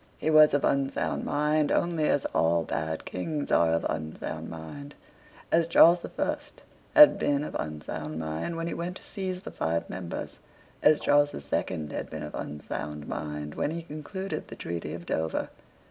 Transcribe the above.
He was of unsound mind only as all bad Kings are of unsound mind; as Charles the First had been of unsound mind when he went to seize the five members; as Charles the Second had been of unsound mind when he concluded the treaty of Dover.